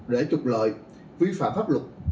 để trục lợi vi phạm pháp luật